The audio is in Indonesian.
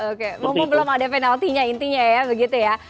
oke mumpung belum ada penaltinya intinya ya begitu ya